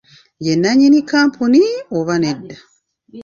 Ye nnannyini kkampuni oba nedda?